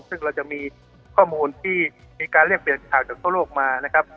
ซึ่งเราจะมีข้อมูลที่มีการเรียกเปลี่ยนข่าวจากทั่วโลกมานะครับ